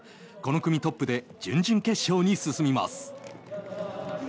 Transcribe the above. この組トップで準々決勝に進みます。